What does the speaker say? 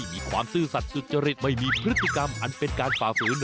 ความซื่อสัตว์สุจริตไม่มีพฤติกรรมอันเป็นการฝ่าฝืน